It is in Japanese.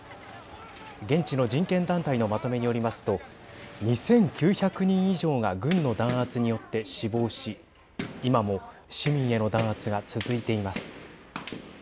現地の人権団体のまとめによりますと２９００人以上が軍の弾圧によって死亡し今も市民への弾圧が続いています。